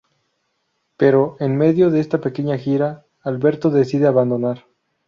Pero en medio de esta pequeña gira Alberto decide abandonar.